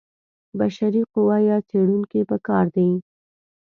بشري قوه یا څېړونکي په کار دي.